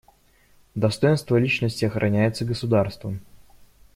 Достоинство личности охраняется государством.